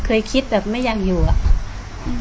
เคยคิดแบบไม่อยากอยู่อ่ะอืม